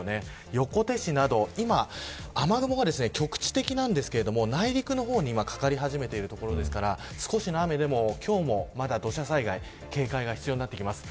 横手市など今、雨雲が局地的なんですが内陸の方に今、かかり始めているところですから少しの雨でも、今日も土砂災害警戒が必要になってきます。